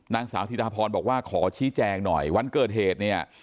นางสาวธิดาพรบอกว่าขอชี้แจงหน่อยวันเกิดเหตุเนี่ย